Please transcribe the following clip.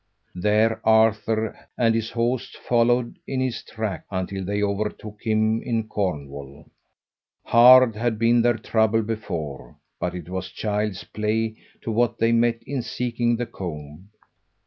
There Arthur and his hosts followed in his track until they overtook him in Cornwall. Hard had been their trouble before, but it was child's play to what they met in seeking the comb.